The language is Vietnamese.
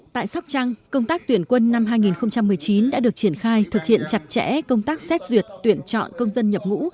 tại sóc trăng công tác tuyển quân năm hai nghìn một mươi chín đã được triển khai thực hiện chặt chẽ công tác xét duyệt tuyển chọn công dân nhập ngũ